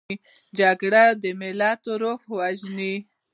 جګړه د ملت روح وژني